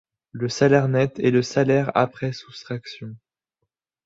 Le salaire net est le salaire après soustraction.